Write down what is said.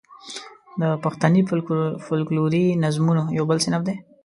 د پښتني فوکلوري نظمونو یو بل صنف دی.